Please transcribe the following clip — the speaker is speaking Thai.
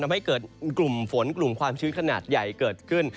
ทำให้เกิดกลุ่มฝนกลุ่มความชื้นขนาดใหญ่เกิดขึ้น